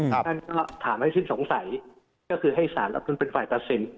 ท่านก็ถามให้สิ้นสงสัยก็คือให้สารรับทุนเป็นฝ่ายตัดสิน